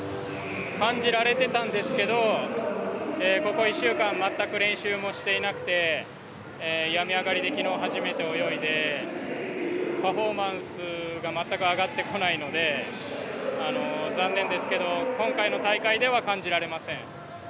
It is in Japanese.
感じられてたんですけどここ１週間全く練習もしていなくて病み上がりで昨日初めて泳いでパフォーマンスが全く上がってこないので残念ですけど今回の大会では感じられません。